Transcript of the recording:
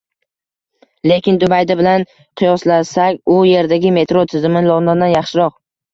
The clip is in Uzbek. Lekin Dubayda bilan qiyoslasak, u yerdagi metro tizimi Londondan yaxshiroq